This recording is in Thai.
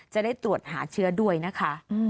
จะได้ตรวจหาเชื้อด้วยนะคะ